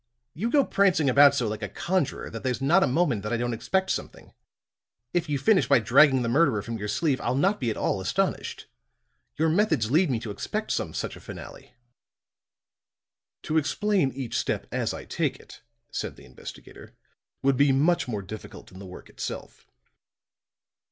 You go prancing about so like a conjurer that there's not a moment that I don't expect something. If you finish by dragging the murderer from your sleeve, I'll not be at all astonished. Your methods lead me to expect some such a finale." "To explain each step as I take it," said the investigator, "would be much more difficult than the work itself.